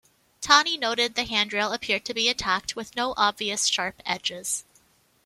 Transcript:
Tani noted the handrail appeared to be intact, with no obvious sharp edges.